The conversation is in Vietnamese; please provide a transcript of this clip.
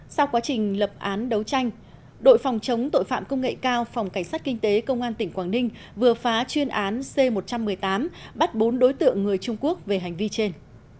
sau quá trình lập án đấu tranh đội phòng chống tội phạm công nghệ cao phòng cảnh sát kinh tế công an tỉnh quảng ninh vừa phá chuyên án c một trăm một mươi tám bắt bốn đối tượng người trung quốc về hành vi trên